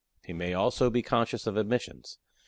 He may also be conscious of omissions.